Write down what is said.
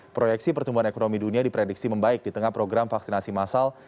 proyeksi pertumbuhan ekonomi dunia diprediksi membaik di tengah program vaksinasi massal